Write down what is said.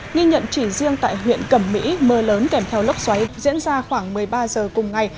nghi nhận chỉ riêng tại huyện cẩm mỹ mưa lớn kèm theo lốc xoáy diễn ra khoảng một mươi ba giờ cùng ngày